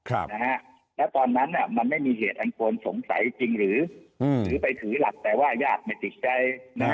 แล้วตอนนั้นมันไม่มีเหตุอันควรสงสัยจริงหรือไปถือหลักแต่ว่าญาติไม่ติดใจนะฮะ